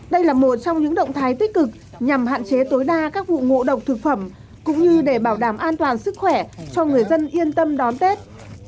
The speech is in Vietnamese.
đây là một trong những động thái tích cực nhằm hạn chế tối đa các vụ ngộ độc thực phẩm cũng như để bảo đảm an toàn sức khỏe cho người dân yên tâm đón tết